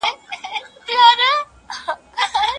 کرملین ولي د افغانستان د رسمیت پېژندلو په اړه ځنډ کوي؟